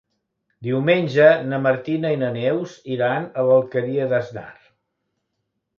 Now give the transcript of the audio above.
Diumenge na Martina i na Neus iran a l'Alqueria d'Asnar.